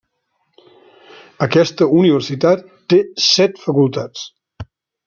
Aquesta universitat té set facultats.